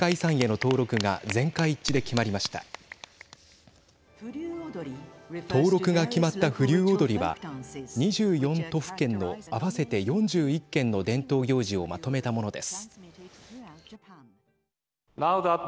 登録が決まった風流踊は２４都府県の合わせて４１件の伝統行事をまとめたものです。